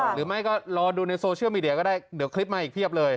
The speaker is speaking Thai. หรือไม่ก็รอดูในโซเชียลมีเดียก็ได้เดี๋ยวคลิปมาอีกเพียบเลย